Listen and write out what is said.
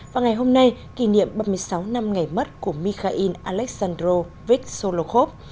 và ngày hôm nay kỷ niệm ba mươi sáu năm ngày mất của mikhail alexandrovich solokhov